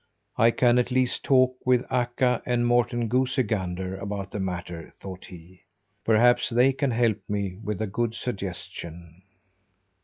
"I can at least talk with Akka and Morten goosey gander about the matter," thought he. "Perhaps they can help me with a good suggestion."